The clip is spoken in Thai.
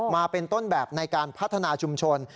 มาเป็นต้นแบบในการพัฒนาชุมชน